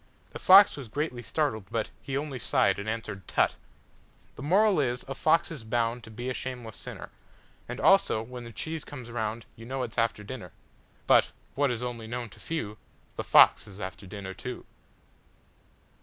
The fox was greatly startled, butHe only sighed and answered "Tut!"THE MORAL is: A fox is boundTo be a shameless sinner. And also: When the cheese comes roundYou know it 's after dinner. But (what is only known to few)The fox is after dinner, too.